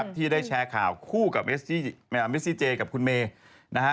ที่ได้แชร์ข่าวคู่กับเมซี่เจกับคุณเมย์นะฮะ